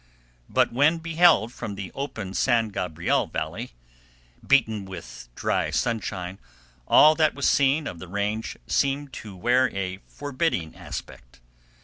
But when beheld from the open San Gabriel Valley, beaten with dry sunshine, all that was seen of the range seemed to wear a forbidding aspect.